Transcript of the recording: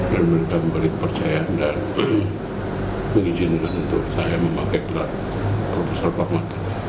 dan mereka memberi kepercayaan dan mengizinkan untuk saya memakai gelar profesor kehormatan